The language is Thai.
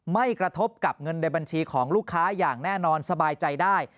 ไม่กระทบกับเงินในบัญชีของลูกค้าอย่างแน่นอนสบายใจได้